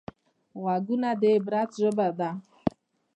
غوږونه د عبرت ژبه ده